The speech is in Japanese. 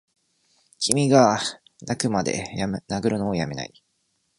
君がッ泣くまで殴るのをやめないッ！